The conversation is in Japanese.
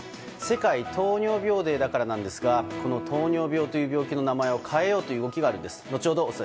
世界糖尿病デーだからなんですがこの糖尿病という病気の名前を変えようという動きがあるんです。